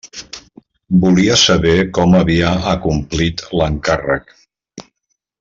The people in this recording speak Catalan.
Volia saber com havia acomplit l'encàrrec.